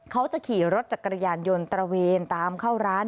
เขาจะขี่รถจักรยานยนต์ตระเวนตามเข้าร้าน